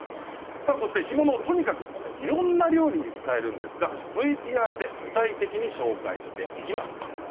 干物、とにかくいろんな料理に使えるんですがＶＴＲで具体的に紹介していきます。